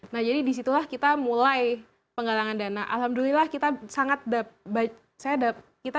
nah jadi disitulah kita mulai penggalangan dana alhamdulillah kita sangat baik saya dapat kita